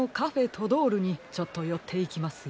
トドールにちょっとよっていきますよ。